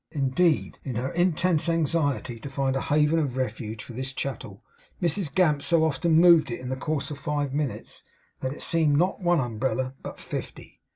Indeed, in her intense anxiety to find a haven of refuge for this chattel, Mrs Gamp so often moved it, in the course of five minutes, that it seemed not one umbrella but fifty.